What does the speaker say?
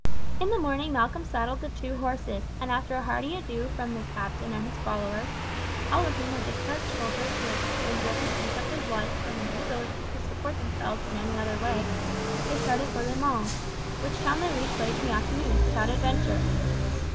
In the morning Malcolm saddled the two horses, and after a hearty adieu from the captain and his followers all of whom were discharged soldiers who had been driven to take up this life from an inability to support themselves in any other way they started for Le Mans, which town they reached late in the afternoon, without adventure.